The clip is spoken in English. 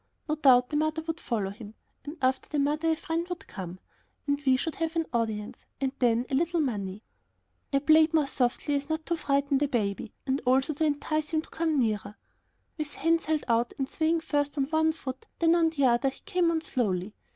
No doubt the mother would follow him, and after the mother a friend would come, and we should have an audience, and then a little money. I played more softly so as not to frighten the baby, and also to entice him to come nearer. With hands held out and swaying first on one foot, then on the other, he came on slowly.